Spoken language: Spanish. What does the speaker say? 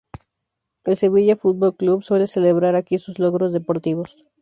El Sevilla Fútbol Club suele celebrar aquí sus logros deportivos.